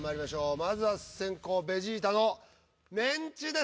まずは先攻ベジータのメンチです。